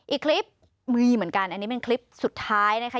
อีกคลิปมีเหมือนกันอันนี้เป็นคลิปสุดท้ายนะคะ